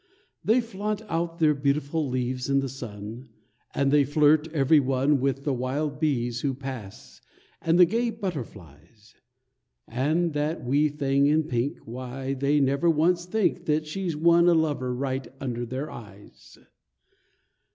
They flaunt out their beautiful leaves in the sun, And they flirt, every one, With the wild bees who pass, and the gay butterflies. And that wee thing in pink Why, they never once think That she's won a lover right under their eyes.